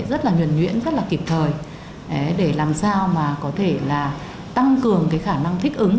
rất là nhuẩn nhuyễn rất là kịp thời để làm sao có thể tăng cường khả năng thích ứng